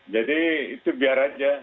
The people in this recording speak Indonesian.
jadi itu biar aja